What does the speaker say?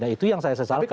itu yang saya sesalkan